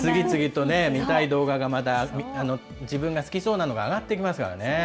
次々とね、見たい動画が自分が好きそうなのが上がってきますからね。